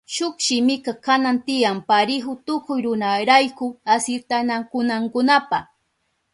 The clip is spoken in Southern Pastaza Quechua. Shuk shimika kanan tiyan parihu tukuy runarayku asirtanakunankunapa.